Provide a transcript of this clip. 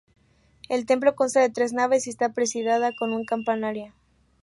El templo consta de tres naves y está presidida con un campanario.